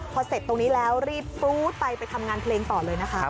พอเสร็จตรงนี้แล้วรีบปรู๊ดไปไปทำงานเพลงต่อเลยนะคะ